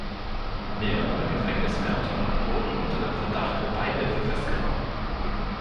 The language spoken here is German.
Mehrere Gefängniswärter wurden unter dem Verdacht der Beihilfe festgenommen.